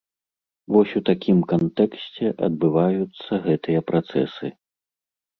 Вось у такім кантэксце адбываюцца гэтыя працэсы.